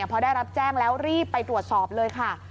พอได้รับแจ้งแล้วรีบไปตรวจสอบเลยค่ะ